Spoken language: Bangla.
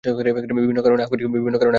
বিভিন্ন কারণে আকরিক তৈরি হতে পারে।